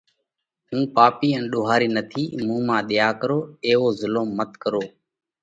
هُون پاپِي ان ۮوهارِي نٿِي۔ مُون مانه ۮئيا ڪرو۔ ايوو ظُلم مت ڪرو،